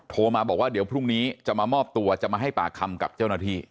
โทรมาบอกว่าเดี๋ยวพรุ่งนี้จะมามอบตัวจะมาให้ปากคำกับเจ้าหน้าที่